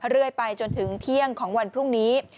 เรื่อยไปจนถึงเที่ยงของวันพรุ่งนี้